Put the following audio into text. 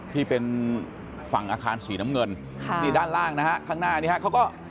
ที่เป็นฝั่งอาคารฉีดน้ำเงินด้านล่างนะครับข้างหน้านี้ครับ